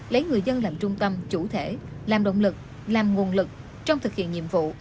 lấy người dân làm trung tâm chủ thể làm động lực làm nguồn lực trong thực hiện nhiệm vụ